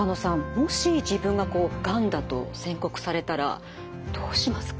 もし自分ががんだと宣告されたらどうしますか？